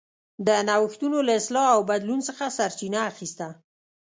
د نوښتونو له اصلاح او بدلون څخه سرچینه اخیسته.